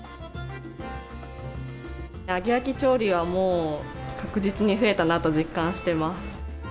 揚げ焼き調理はもう確実に増えたなと実感してます。